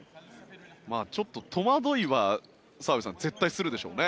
ちょっと戸惑いは澤部さん、絶対するでしょうね。